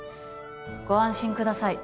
ご安心ください